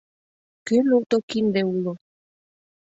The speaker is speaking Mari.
— Кӧн уто кинде уло?